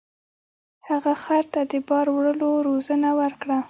هغه خر ته د بار وړلو روزنه ورکړه.